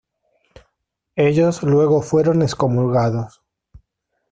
Ellos luego fueron excomulgados.